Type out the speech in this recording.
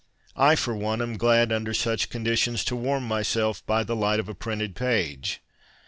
I, for one, am glad under such conditions to warm myself by the light of a printed page.